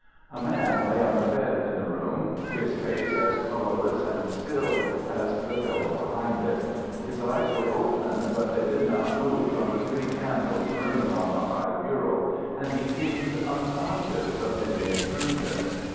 A man lay on a bed in the room, his face as colourless and still as the pillow behind it. His eyes were open, but they did not move from the three candles burning on the high bureau, and he seemed unconscious of any intrusion.